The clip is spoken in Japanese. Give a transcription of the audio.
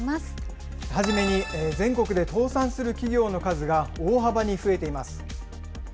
初めに全国で倒産する企業の数が大幅に増えています。